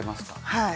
はい。